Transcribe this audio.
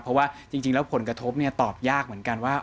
เพราะว่าจริงแล้วผลกระทบตอบยากเหมือนกันว่า